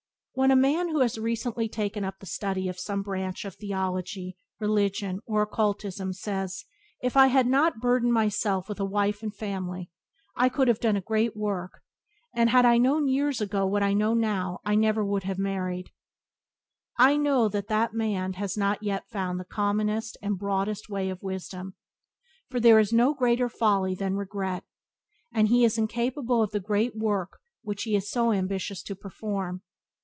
When a man, who has recently taken up the study of some branch of theology, religion, or "occultism," says: "If I had not burdened myself with a wife and family I could have done a great work; and had I known years ago what I know now I would never have married." I know that that man has not yet found the commonest and broadest way of wisdom (for there is no greater folly than regret), and that he is incapable of the great work which he is so ambitious to perform.